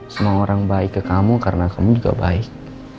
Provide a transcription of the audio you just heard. semua orang baik ke kamu karena kamu juga baik